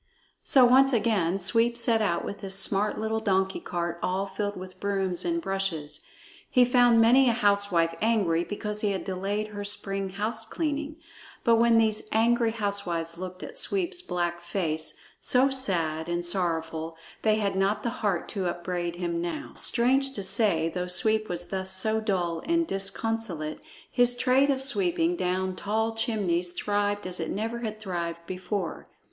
So once again Sweep set out with his smart little donkey cart all filled with brooms and brushes. He found many a housewife angry because he had delayed her spring house cleaning; but when these angry housewives looked at Sweep's black face, so sad and sorrowful, they had not the heart to upbraid him. Now, strange to say, though Sweep was thus so dull and disconsolate, his trade of sweeping down tall chimneys thrived as it never had thrived before.